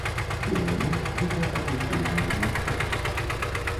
Тым не менш, гэта аб'ектыўная неабходнасць.